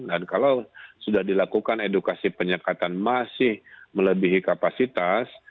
dan kalau sudah dilakukan edukasi penyekatan masih melebihi kapasitas